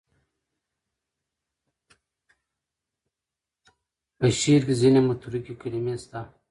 په شعر کې ځینې متروکې کلمې شته.